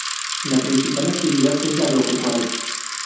La principal actividad es la agropecuaria.